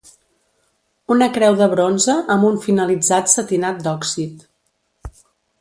Una creu de bronze amb un finalitzat setinat d'òxid.